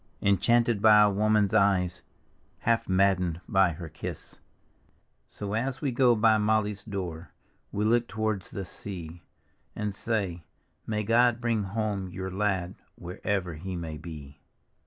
Enchanted by a woman's eyes, Half maddcncd by her kiss. So as we go by Molly's door We look towards the sea, And say, " May God bring home your lad Wherever he may be."